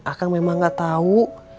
akang memang gak tau